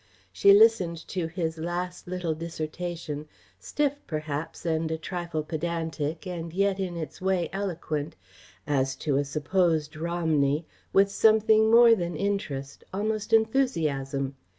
She listened to his last little dissertation stiff perhaps and a trifle pedantic, and yet in its way eloquent as to a supposed Romney, with something more than interest, almost enthusiasm.